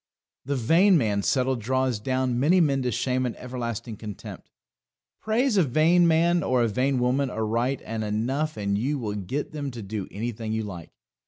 The Vain Man's Settle draws down many men to shame and everlasting contempt. Praise a vain man or a vain woman aright and enough and you will get them to do anything you like.